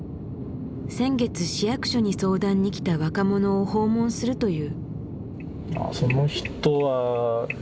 先月市役所に相談に来た若者を訪問するという。